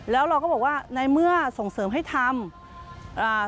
แล้วเราก็บอกว่าในเมื่อส่งเสริมให้ทำอ่า